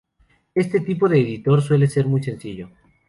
Este tipo de editor suele ser muy sencillo.